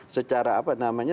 secara apa namanya